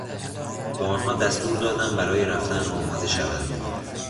به آنها دستور دادم برای رفتن آماده شوند.